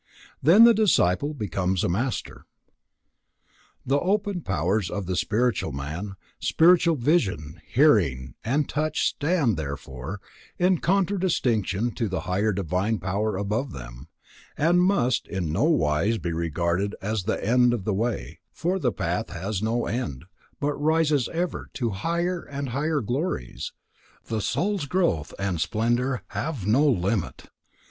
Then the disciple becomes a Master. The opened powers of tile spiritual man, spiritual vision, hearing, and touch, stand, therefore, in contradistinction to the higher divine power above them, and must in no wise be regarded as the end of the way, for the path has no end, but rises ever to higher and higher glories; the soul's growth and splendour have no limit.